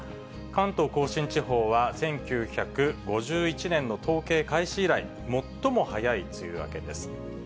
関東甲信地方は１９５１年の統計開始以来、最も早い梅雨明けです。